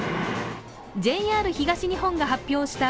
ＪＲ東日本が発表した